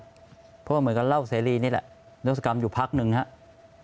เพราะว่าเหมือนกับเล่าเสรีนี่แหละนศกรรมอยู่พักหนึ่งครับ